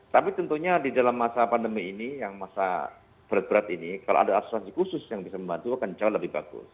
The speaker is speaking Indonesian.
tapi tentunya di dalam masa pandemi ini yang masa berat berat ini kalau ada asuransi khusus yang bisa membantu akan jauh lebih bagus